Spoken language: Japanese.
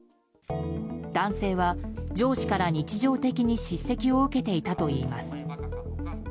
男性は上司から日常的に叱責を受けていたといいます。